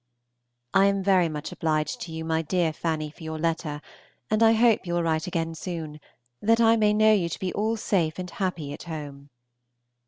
I AM very much obliged to you, my dear Fanny, for your letter, and I hope you will write again soon, that I may know you to be all safe and happy at home.